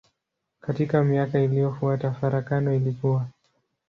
Katika miaka iliyofuata farakano ilikua.